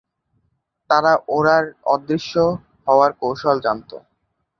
তারা ওড়ার, অদৃশ্য হওয়ার কৌশল জানত।